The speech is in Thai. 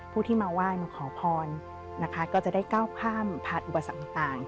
ผู้ที่มาว่ายมาขอพรนะคะก็จะได้ก้าวข้ามผาดอุบัติศักดิ์ต่าง